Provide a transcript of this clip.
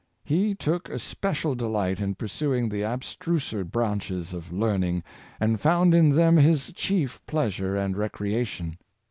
He took especial delight in pursuing the ab struser branches of learning, and found in them his chief pleasure and recreation.